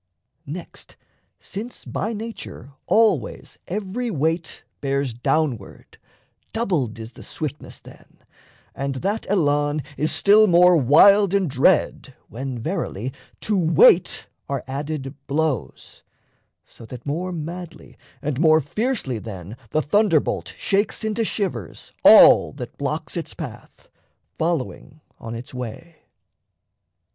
Next, since by nature always every weight Bears downward, doubled is the swiftness then And that elan is still more wild and dread, When, verily, to weight are added blows, So that more madly and more fiercely then The thunderbolt shakes into shivers all That blocks its path, following on its way.